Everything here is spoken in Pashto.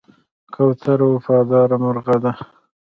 کوتره وفاداره مرغه ده.